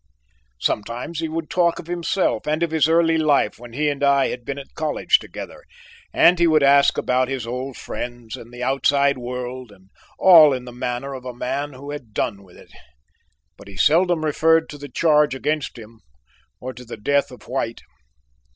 Sometimes he would talk of himself and of his early life when he and I had been at college together, and he would ask about his old friends and the outside world, and all in the manner of a man who had done with it, but he seldom referred to the charge against him or to the death of White.